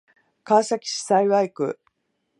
川崎市幸区